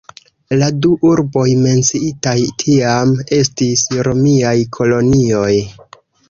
La du urboj menciitaj tiam estis romiaj kolonioj.